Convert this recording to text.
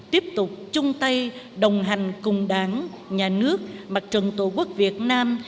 tiếp tục chung tay đồng hành cùng đảng nhà nước mặt trận tổ quốc việt nam